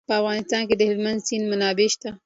په افغانستان کې د هلمند سیند منابع شته.